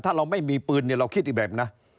ถ้าเราไม่มีปืนเราคิดอีกแบบนะ